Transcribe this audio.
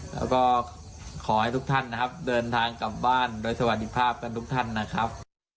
แล้วก็ขอให้ทุกท่านนะครับเดินทางกลับบ้านโดยสวัสดีภาพกันทุกท่านนะครับ